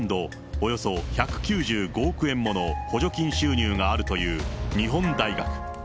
およそ１９５億円もの補助金収入があるという日本大学。